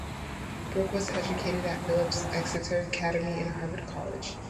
Brooke was educated at Phillips Exeter Academy and Harvard College.